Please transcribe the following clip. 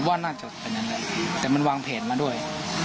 ว่าน่าจะเป็นอย่างนั้นแหละแต่มันวางแผนมาด้วย